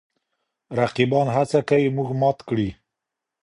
رقیبان هڅه کوي موږ مات کړي.